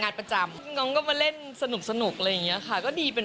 ประจำน้องก็มาเล่นสนุกสนุกอะไรอย่างเงี้ยค่ะก็ดีเป็น